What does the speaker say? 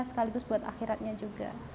sekaligus untuk akhiratnya juga